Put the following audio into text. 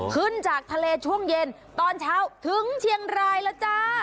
ขึ้นจากทะเลช่วงเย็นตอนเช้าถึงเชียงรายแล้วจ้า